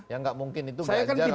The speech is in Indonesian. ya gak mungkin itu ganjar sama gazali